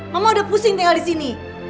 mama udah pusing tinggal disini